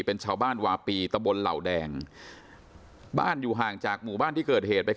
เป็นชาวบ้านวาปีตะบนเหล่าแดงบ้านอยู่ห่างจากหมู่บ้านที่เกิดเหตุ